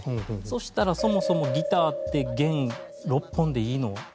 そしたら「そもそもギターって弦６本でいいの？」